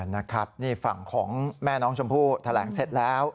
นะครับนี่ฝั่งของแม่น้องชมพู่แถลงเสร็จแล้ว